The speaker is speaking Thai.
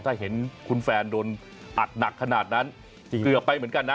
ถ้าเห็นคุณแฟนโดนอัดหนักขนาดนั้นเกือบไปเหมือนกันนะ